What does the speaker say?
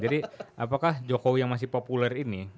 apakah jokowi yang masih populer ini